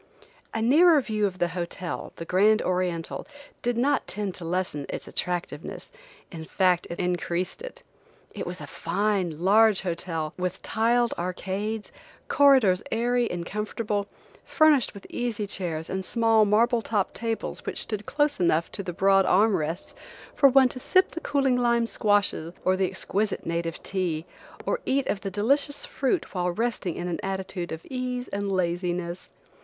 A nearer view of the hotel, the Grand Oriental, did not tend to lessen its attractiveness–in fact it increased it. It was a fine, large hotel, with tiled arcades, corridors airy and comfortable, furnished with easy chairs and small marble topped tables which stood close enough to the broad arm rests, for one to sip the cooling lime squashes or the exquisite native tea, or eat of the delicious fruit while resting in an attitude of ease and laziness.